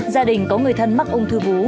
gia đình có người thân mắc ung thư vú